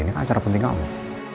ini kan acara penting kamu